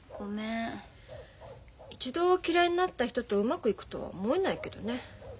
一度嫌いになった人とうまくいくとは思えないけどね。